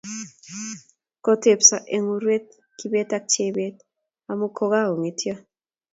Kotepsoo eng urwee Kibet ak Chebet amu kokangetyo